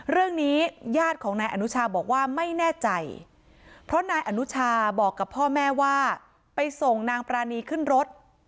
ญาติของนายอนุชาบอกว่าไม่แน่ใจเพราะนายอนุชาบอกกับพ่อแม่ว่าไปส่งนางปรานีขึ้นรถ